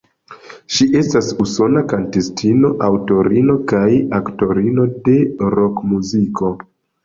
Ŝi estas usona kantistino, aŭtorino kaj aktorino de rokmuziko.